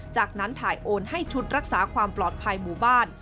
จากนั้นถ่ายโอนให้ชุดรักษาความปลอดภัยหมู่บ้าน